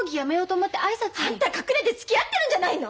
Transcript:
あんた隠れてつきあってるんじゃないの！？